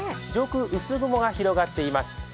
上空、薄雲が広がっています。